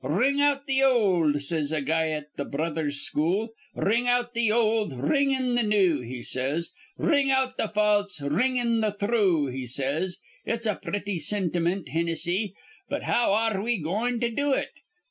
'Ring out th' old,' says a guy at th' Brothers' School. 'Ring out th' old, ring in th' new,' he says. 'Ring out th' false, ring in th' thrue,' says he. It's a pretty sintimint, Hinnissy; but how ar re we goin' to do it?